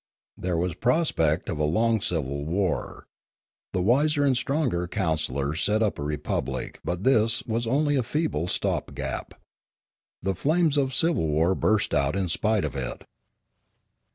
There was prospect of a long civil war. The wiser and stronger counsellors set up a republic, but this was only a feeble stop gap. The flames of civil war burst out in spite of it.